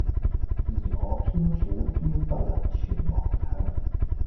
而我偏苦于不能全忘卻，